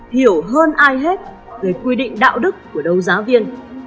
hiểu hơn ai hết về quy định đạo đức của đấu giáo viên